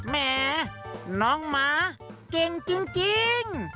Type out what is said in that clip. แหมน้องหมาเก่งจริง